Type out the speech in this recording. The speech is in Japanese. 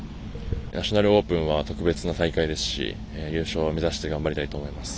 ナショナルオープンは特別な大会ですし優勝を目指して頑張りたいと思います。